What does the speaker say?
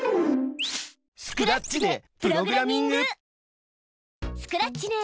スクラッチでプログラミング！